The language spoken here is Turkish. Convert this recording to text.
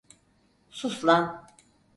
Sus lan!